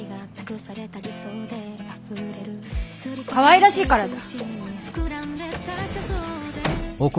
かわいらしいからじゃ。